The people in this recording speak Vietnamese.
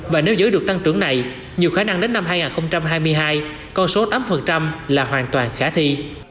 và nếu giữ được tăng trưởng này nhiều khả năng đến năm hai nghìn hai mươi hai con số tám là hoàn toàn khả thi